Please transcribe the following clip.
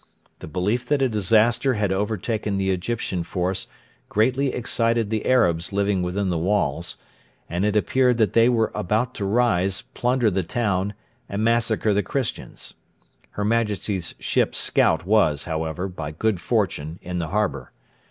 The belief that a disaster had overtaken the Egyptian force greatly excited the Arabs living within the walls, and it appeared that they were about to rise, plunder the town, and massacre the Christians. Her Majesty's ship Scout was, however, by good fortune in the harbour.